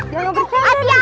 jangan bercerita lagi jatuh